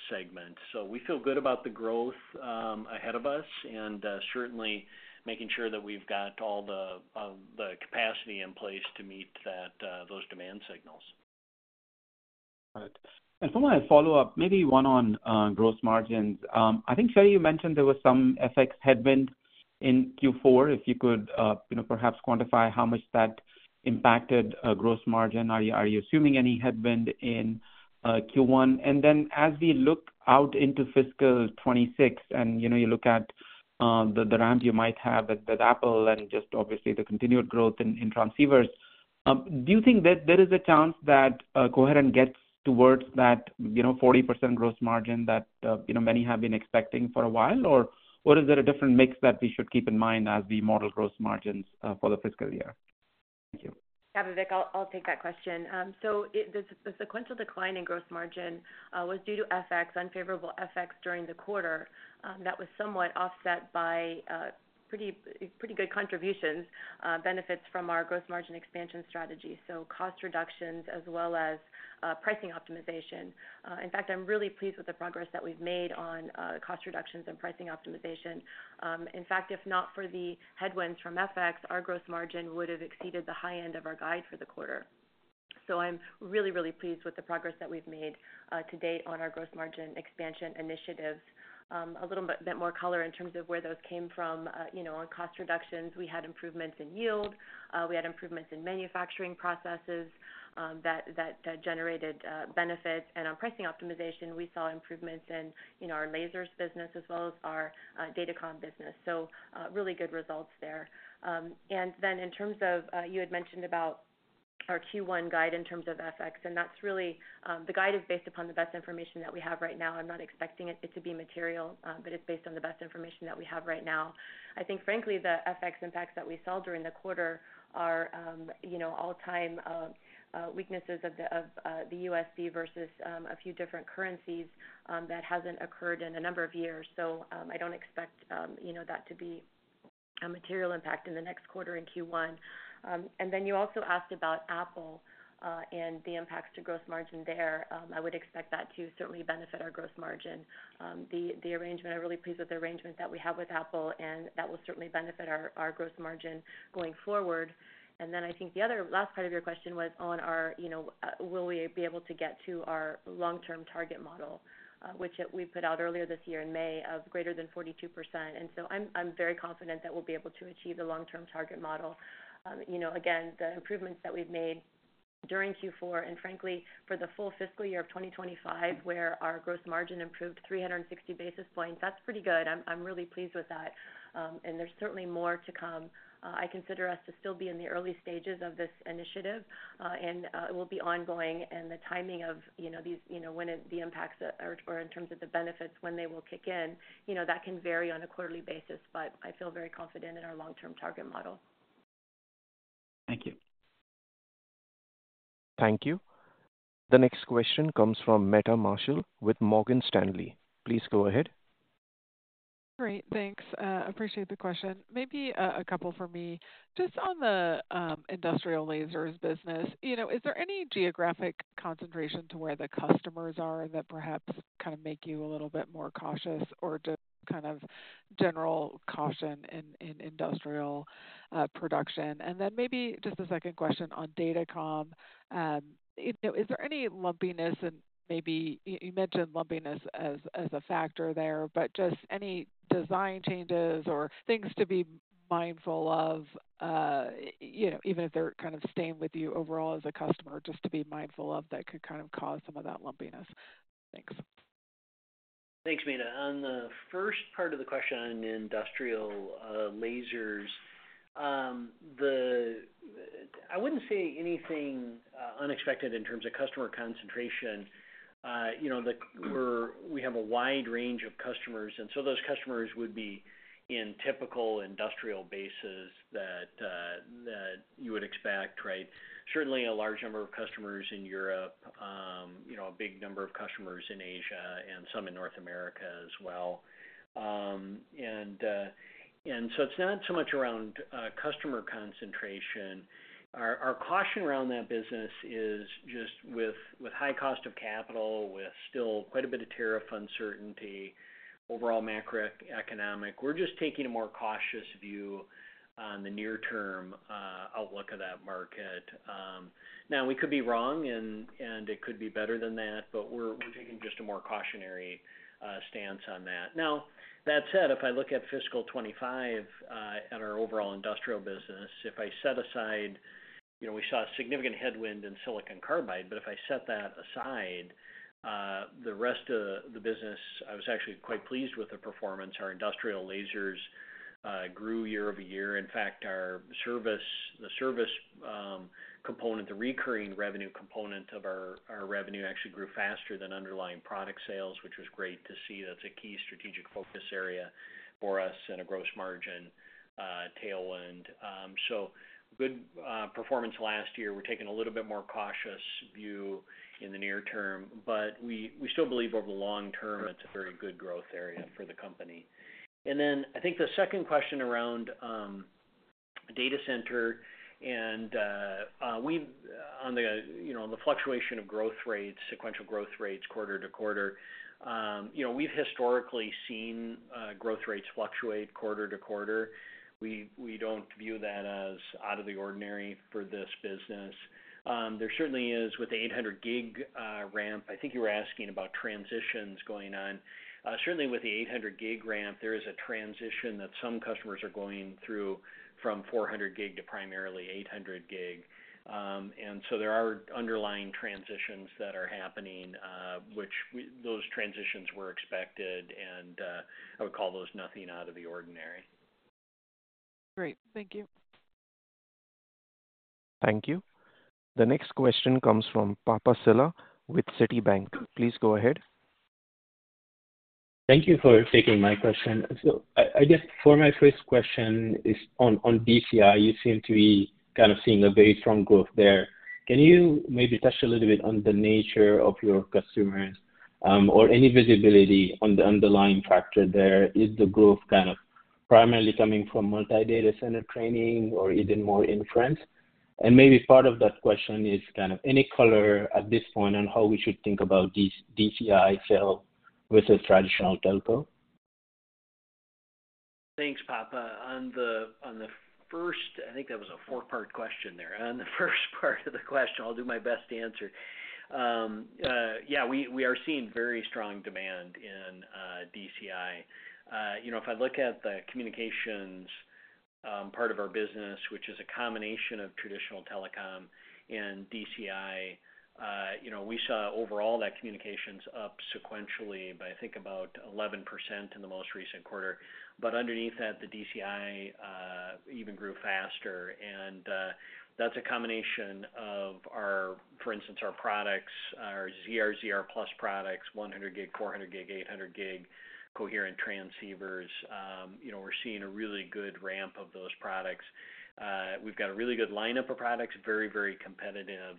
segment. We feel good about the growth ahead of us and certainly making sure that we've got all the capacity in place to meet those demand signals. Got it. For my follow-up, maybe one on gross margins. I think, Sherri, you mentioned there was some FX headwind in Q4. If you could, perhaps quantify how much that impacted gross margin. Are you assuming any headwind in Q1? As we look out into fiscal 2026 and you look at the ramp you might have with Apple and just obviously the continued growth in transceivers, do you think that there is a chance that Coherent gets towards that 40% gross margin that many have been expecting for a while? Is there a different mix that we should keep in mind as we model gross margins for the fiscal year? Yeah, Vivek, I'll take that question. The sequential decline in gross margin was due to FX, unfavorable FX during the quarter that was somewhat offset by pretty good contributions, benefits from our gross margin expansion strategy. Cost reductions as well as pricing optimization. In fact, I'm really pleased with the progress that we've made on cost reductions and pricing optimization. If not for the headwinds from FX, our gross margin would have exceeded the high end of our guide for the quarter. I'm really, really pleased with the progress that we've made to date on our gross margin expansion initiatives. A little bit more color in terms of where those came from. On cost reductions, we had improvements in yield. We had improvements in manufacturing processes that generated benefits. On pricing optimization, we saw improvements in our lasers business as well as our datacom business. Really good results there. In terms of, you had mentioned about our Q1 guide in terms of FX, and that's really, the guide is based upon the best information that we have right now. I'm not expecting it to be material, but it's based on the best information that we have right now. I think, frankly, the FX impacts that we saw during the quarter are all-time weaknesses of the USD versus a few different currencies that haven't occurred in a number of years. I don't expect that to be a material impact in the next quarter in Q1. You also asked about Apple and the impacts to gross margin there. I would expect that to certainly benefit our gross margin. The arrangement, I'm really pleased with the arrangement that we have with Apple, and that will certainly benefit our gross margin going forward. I think the other last part of your question was on our, you know, will we be able to get to our long-term target model, which we put out earlier this year in May of greater than 42%. I'm very confident that we'll be able to achieve the long-term target model. Again, the improvements that we've made during Q4 and, frankly, for the full fiscal year of 2025, where our gross margin improved 360 basis points, that's pretty good. I'm really pleased with that. There's certainly more to come. I consider us to still be in the early stages of this initiative, and it will be ongoing. The timing of these, when the impacts or in terms of the benefits, when they will kick in, that can vary on a quarterly basis, but I feel very confident in our long-term target model. Thank you. Thank you. The next question comes from Meta Marshall with Morgan Stanley. Please go ahead. Great, thanks. I appreciate the question. Maybe a couple for me. Just on the industrial lasers business, is there any geographic concentration to where the customers are that perhaps make you a little bit more cautious or just general caution in industrial production? Maybe just the second question on datacom. Is there any lumpiness, and maybe you mentioned lumpiness as a factor there, but just any design changes or things to be mindful of, even if they're kind of staying with you overall as a customer, just to be mindful of that could cause some of that lumpiness? Thanks. Thanks, Meta. On the first part of the question on industrial lasers, I wouldn't say anything unexpected in terms of customer concentration. We have a wide range of customers, and those customers would be in typical industrial bases that you would expect, right? Certainly a large number of customers in Europe, a big number of customers in Asia, and some in North America as well. It's not so much around customer concentration. Our caution around that business is just with high cost of capital, with still quite a bit of tariff uncertainty, overall macroeconomic, we're just taking a more cautious view on the near-term outlook of that market. We could be wrong, and it could be better than that, but we're taking just a more cautionary stance on that. That said, if I look at fiscal 2025 and our overall industrial business, if I set aside, you know, we saw a significant headwind in silicon carbide, but if I set that aside, the rest of the business, I was actually quite pleased with the performance. Our industrial lasers grew year over year. In fact, our service, the service component, the recurring revenue component of our revenue actually grew faster than underlying product sales, which was great to see. That's a key strategic focus area for us and a gross margin tailwind. Good performance last year. We're taking a little bit more cautious view in the near term, but we still believe over the long term, it's a very good growth area for the company. I think the second question around data center and we've on the, you know, the fluctuation of growth rates, sequential growth rates quarter-to-quarter. We've historically seen growth rates fluctuate quarter to quarter. We don't view that as out of the ordinary for this business. There certainly is with the 800 gig ramp. I think you were asking about transitions going on. Certainly with the 800 gig ramp, there is a transition that some customers are going through from 400 gig to primarily 800 gig. There are underlying transitions that are happening, which those transitions were expected, and I would call those nothing out of the ordinary. Great. Thank you. Thank you. The next question comes from Papa Sylla with Citibank. Please go ahead. Thank you for taking my question. I guess for my first question is on DCI. You seem to be kind of seeing a very strong growth there. Can you maybe touch a little bit on the nature of your customers or any visibility on the underlying factor there? Is the growth primarily coming from multi-data center training or is it more inference? Maybe part of that question is any color at this point on how we should think about DCI sale versus traditional telco? Thanks, Papa. On the first, I think that was a four-part question there. On the first part of the question, I'll do my best to answer. Yeah, we are seeing very strong demand in DCI. If I look at the communications part of our business, which is a combination of traditional telecom and DCI, we saw overall that communications up sequentially by, I think, about 11% in the most recent quarter. Underneath that, the DCI even grew faster. That's a combination of our, for instance, our products, our ZR/ZR+ products, 100 gig, 400 gig, 800 gig Coherent transceivers. We're seeing a really good ramp of those products. We've got a really good lineup of products, very, very competitive.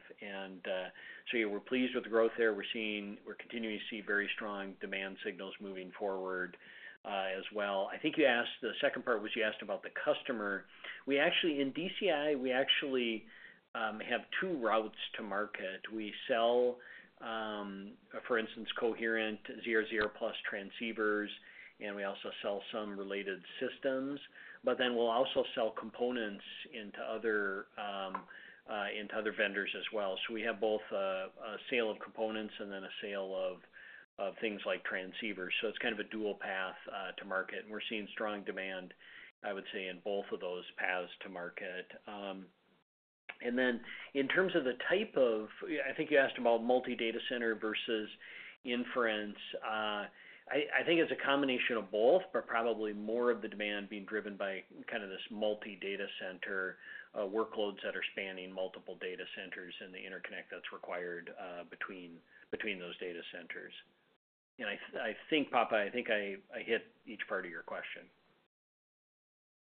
Yeah, we're pleased with the growth there. We're continuing to see very strong demand signals moving forward as well. I think you asked the second part was you asked about the customer. In DCI, we actually have two routes to market. We sell, for instance, Coherent ZR/ZR+ transceivers, and we also sell some related systems. We also sell components into other vendors as well. We have both a sale of components and then a sale of things like transceivers. It's kind of a dual path to market. We're seeing strong demand, I would say, in both of those paths to market. In terms of the type of, I think you asked about multi-data center versus inference. I think it's a combination of both, but probably more of the demand being driven by kind of this multi-data center workloads that are spanning multiple data centers and the interconnect that's required between those data centers. I think, Papa, I think I hit each part of your question.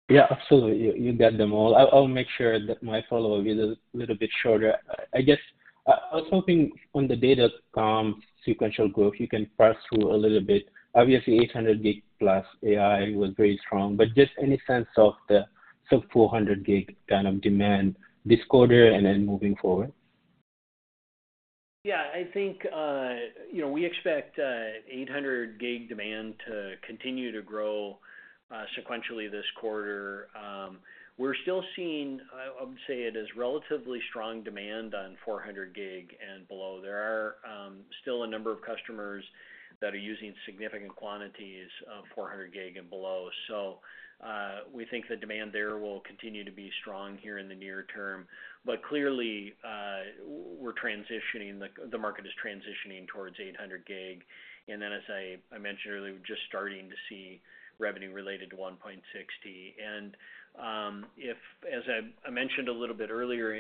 Yeah, absolutely. You get them all. I'll make sure that my follow-up is a little bit shorter. I guess I was hoping on the datacom sequential growth, you can pass through a little bit. Obviously, 800 gig plus AI was very strong, but just any sense of the sub-400 gig kind of demand this quarter and then moving forward? Yeah, I think, you know, we expect 800 gig demand to continue to grow sequentially this quarter. We're still seeing, I would say, it is relatively strong demand on 400 gig and below. There are still a number of customers that are using significant quantities of 400 gig and below. We think the demand there will continue to be strong here in the near term. Clearly, we're transitioning, the market is transitioning towards 800 gig. As I mentioned earlier, we're just starting to see revenue related to 1.6T. If, as I mentioned a little bit earlier,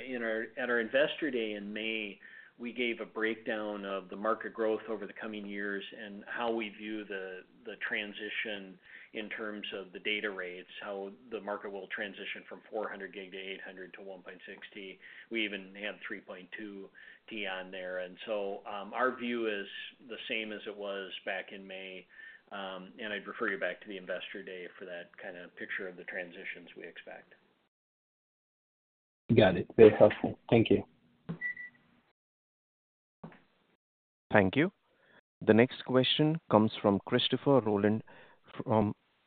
at our Investor Day in May, we gave a breakdown of the market growth over the coming years and how we view the transition in terms of the data rates, how the market will transition from 400 gig to 800 gig to 1.6T. We even had 3.2T on there. Our view is the same as it was back in May. I'd refer you back to the Investor Day for that kind of picture of the transitions we expect. Got it. Very helpful. Thank you. Thank you. The next question comes from Christopher Rolland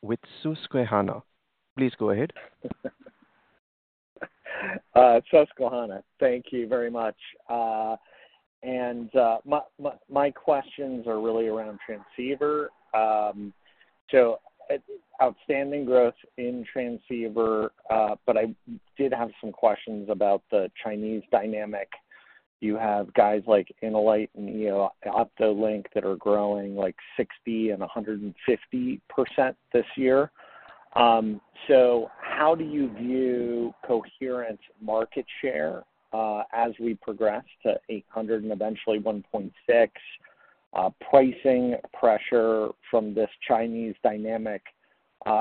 with Susquehanna. Please go ahead. Susquehanna, thank you very much. My questions are really around transceiver. Outstanding growth in transceiver, but I did have some questions about the Chinese dynamic. You have guys like InnoLight and OptoLink that are growing like 60% and 150% this year. How do you view Coherent's market share as we progress to 800 gig and eventually 1.6? Pricing pressure from this Chinese dynamic,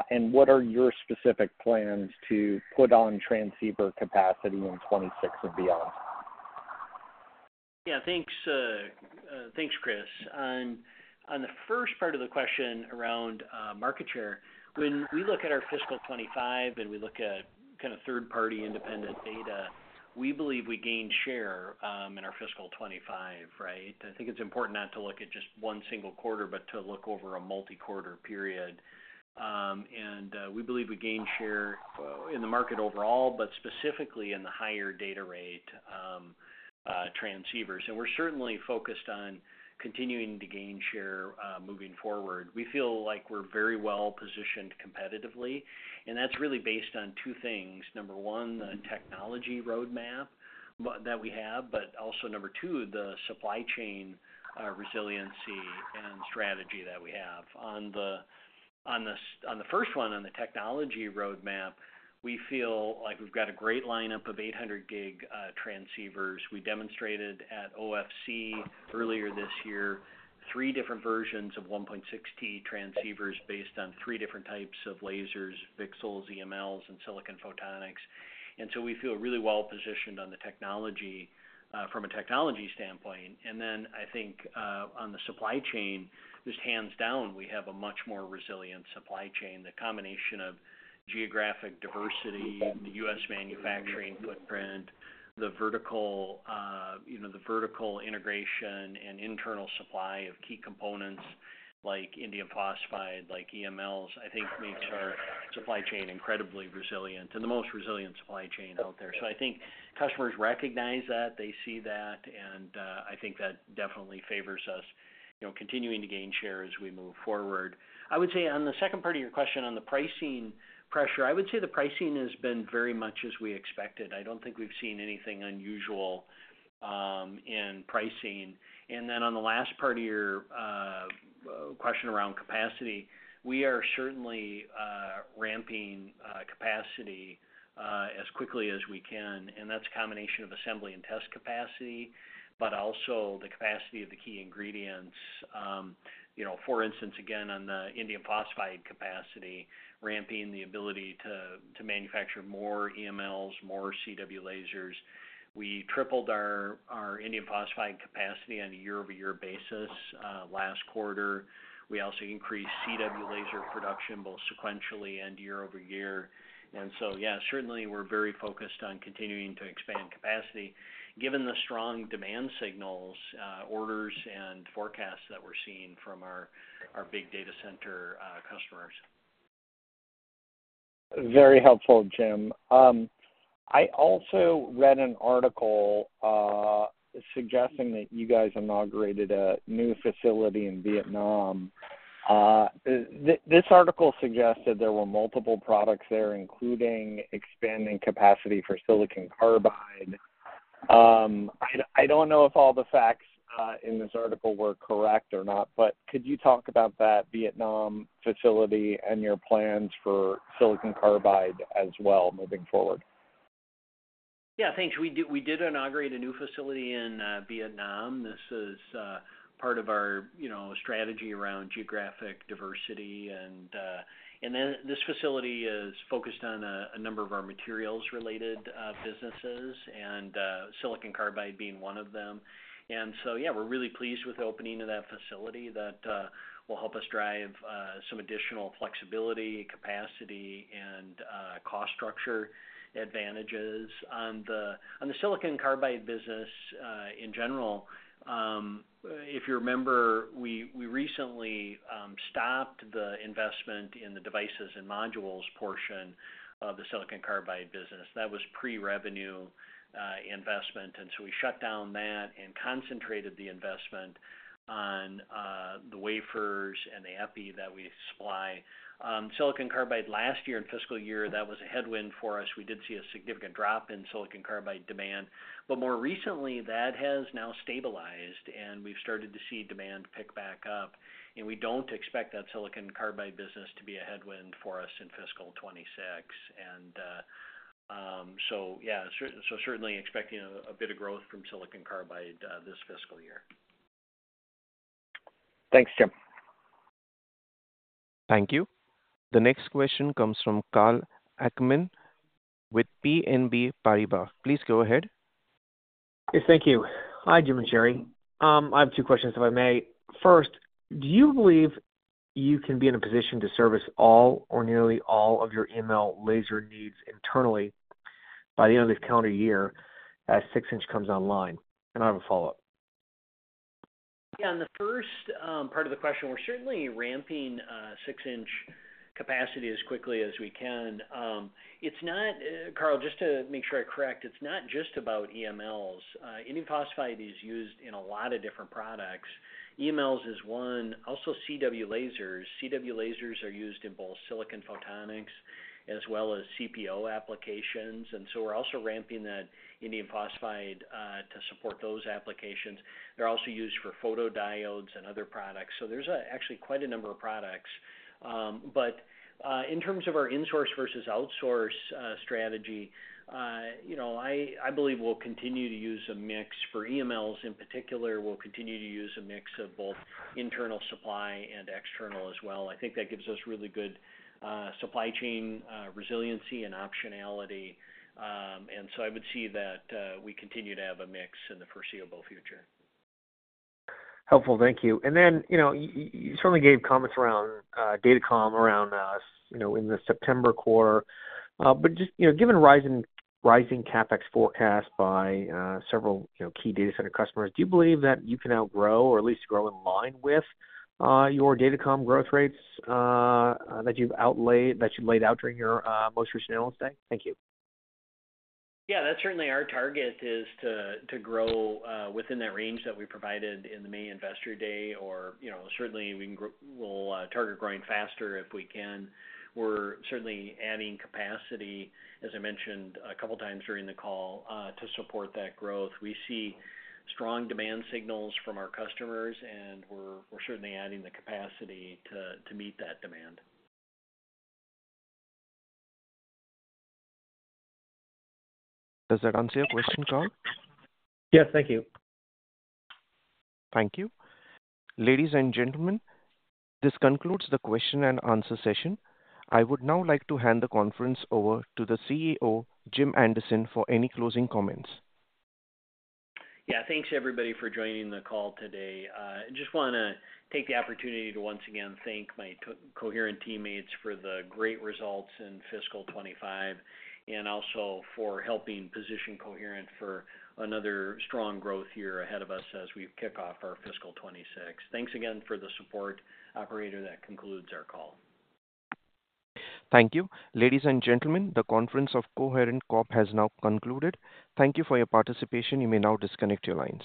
and what are your specific plans to put on transceiver capacity in 2026 and beyond? Yeah. Thanks, Chris. On the first part of the question around market share, when we look at our fiscal 2025 and we look at kind of third-party independent data, we believe we gained share in our fiscal 2025, right? I think it's important not to look at just one single quarter, but to look over a multi-quarter period. We believe we gained share in the market overall, but specifically in the higher data rate transceivers. We're certainly focused on continuing to gain share moving forward. We feel like we're very well positioned competitively. That's really based on two things. Number one, the technology roadmap that we have, but also number two, the supply chain resiliency and strategy that we have. On the first one, on the technology roadmap, we feel like we've got a great lineup of 800 gig transceivers. We demonstrated at OFC earlier this year three different versions of 1.6T transceivers based on three different types of lasers, VCSELs, EMLs, and silicon photonics. We feel really well positioned on the technology from a technology standpoint. I think on the supply chain, just hands down, we have a much more resilient supply chain. The combination of geographic diversity, the U.S. manufacturing footprint, the vertical integration, and internal supply of key components like indium phosphide, like EMLs, I think makes our supply chain incredibly resilient and the most resilient supply chain out there. I think customers recognize that, they see that, and I think that definitely favors us, you know, continuing to gain share as we move forward. I would say on the second part of your question on the pricing pressure, I would say the pricing has been very much as we expected. I don't think we've seen anything unusual in pricing. On the last part of your question around capacity, we are certainly ramping capacity as quickly as we can. That's a combination of assembly and test capacity, but also the capacity of the key ingredients. For instance, again, on the indium phosphide capacity, ramping the ability to manufacture more EMLs, more CW lasers. We tripled our indium phosphide capacity on a year-over-year basis last quarter. We also increased CW laser production both sequentially and year-over-year. Certainly we're very focused on continuing to expand capacity given the strong demand signals, orders, and forecasts that we're seeing from our big data center customers. Very helpful, Jim. I also read an article suggesting that you guys inaugurated a new facility in Vietnam. This article suggested there were multiple products there, including expanding capacity for silicon carbide. I don't know if all the facts in this article were correct or not, but could you talk about that Vietnam facility and your plans for silicon carbide as well moving forward? Yeah, thanks. We did inaugurate a new facility in Vietnam. This is part of our strategy around geographic diversity. This facility is focused on a number of our materials-related businesses and silicon carbide being one of them. We're really pleased with the opening of that facility that will help us drive some additional flexibility, capacity, and cost structure advantages on the silicon carbide business in general. If you remember, we recently stopped the investment in the devices and modules portion of the silicon carbide business. That was pre-revenue investment. We shut down that and concentrated the investment on the wafers and the epi that we supply. Silicon carbide last year in fiscal year, that was a headwind for us. We did see a significant drop in silicon carbide demand. More recently, that has now stabilized, and we've started to see demand pick back up. We don't expect that silicon carbide business to be a headwind for us in fiscal 2026. Certainly expecting a bit of growth from silicon carbide this fiscal year. Thanks, Jim. Thank you. The next question comes from Karl Ackerman with BNP Paribas. Please go ahead. Yes, thank you. Hi, Jim and Sherri. I have two questions, if I may. First, do you believe you can be in a position to service all or nearly all of your EML laser needs internally by the end of this calendar year as 6-inch comes online? I have a follow-up. Yeah, on the first part of the question, we're certainly ramping 6-inch capacity as quickly as we can. It's not, Karl, just to make sure I correct, it's not just about EMLs. Indium phosphide is used in a lot of different products. EMLs is one. Also, CW lasers. CW lasers are used in both silicon photonics as well as CPO applications. We're also ramping that indium phosphide to support those applications. They're also used for photodiodes and other products. There's actually quite a number of products. In terms of our in-source versus outsource strategy, I believe we'll continue to use a mix for EMLs in particular. We'll continue to use a mix of both internal supply and external as well. I think that gives us really good supply chain resiliency and optionality. I would see that we continue to have a mix in the foreseeable future. Thank you. You certainly gave comments around datacom around, you know, in the September quarter. Just, given rising CapEx forecasts by several key data center customers, do you believe that you can outgrow or at least grow in line with your datacom growth rates that you've outlaid, that you laid out during your most recent analyst day? Thank you. Yeah, that's certainly our target is to grow within that range that we provided in the main Investor Day. We can grow, we'll target growing faster if we can. We're certainly adding capacity, as I mentioned a couple of times during the call, to support that growth. We see strong demand signals from our customers, and we're certainly adding the capacity to meet that demand. Does that answer your question, Karl? Yes, thank you. Thank you. Ladies and gentlemen, this concludes the question and answer session. I would now like to hand the conference over to the CEO, Jim Anderson, for any closing comments. Yeah, thanks everybody for joining the call today. I just want to take the opportunity to once again thank my Coherent teammates for the great results in fiscal 2025 and also for helping position Coherent for another strong growth year ahead of us as we kick off our fiscal 2026. Thanks again for the support. Operator, that concludes our call. Thank you. Ladies and gentlemen, the conference of Coherent Corp. has now concluded. Thank you for your participation. You may now disconnect your lines.